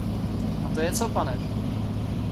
A to je co, pane?